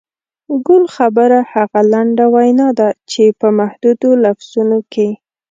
ګل خبره هغه لنډه وینا ده چې په محدودو لفظونو کې.